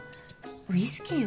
ウイスキーを？